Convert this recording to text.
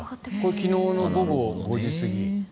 昨日の午後５時過ぎ。